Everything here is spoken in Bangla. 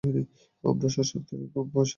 আমরা শসার থেকেও কম পয়সা নেব।